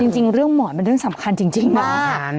จริงเรื่องหมอนเป็นเรื่องสำคัญจริงนะ